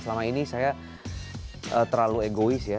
selama ini saya terlalu egois ya